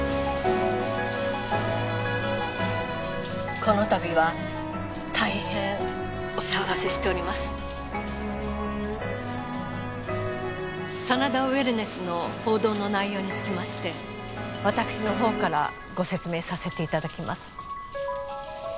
このたびは大変お騒がせしております真田ウェルネスの報道の内容につきまして私のほうからご説明させていただきます